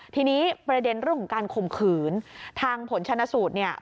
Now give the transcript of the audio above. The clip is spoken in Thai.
ทีนี้ประเด็นเรื่องของการข่มขืนทางผลชนะสูตรเนี่ย